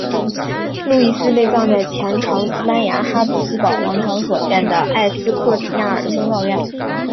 路易斯被葬在前朝西班牙哈布斯堡王朝所建的埃斯科里亚尔修道院。